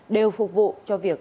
đều phục vụ cho việc